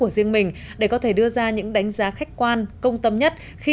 xin chào và hẹn gặp lại